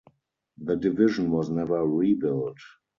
The division was never rebuilt.